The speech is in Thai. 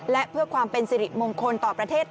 และเพื่อความเป็นสิริมงคลต่อประเทศ